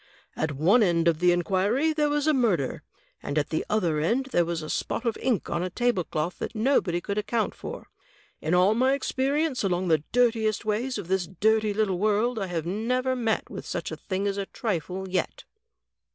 "At one end of the inquiry there was a murder, and at the other end there was a spot of ink on a table cloth that nobody could CLOSE OBSERVATION I37 account for. In all my experience along the dirtiest ways of this dirty little world I have never met with such a thing as a trifle yet.'